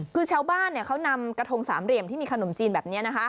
คือชาวบ้านเขานำกระทงสามเหลี่ยมที่มีขนมจีนแบบนี้